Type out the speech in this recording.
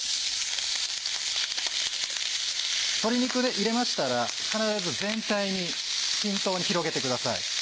鶏肉を入れましたら必ず全体に均等に広げてください。